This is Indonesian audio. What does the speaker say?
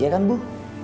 iya kan bu